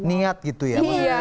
niat gitu ya